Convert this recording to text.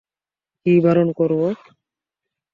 কী বারণ করব?